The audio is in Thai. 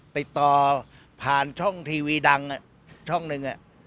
ไปต่อผ่านช่องทีวีดังช่องหนึ่ง